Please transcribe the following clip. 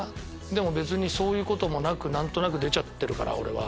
でも別にそういうこともなく何となく出ちゃってるから俺は。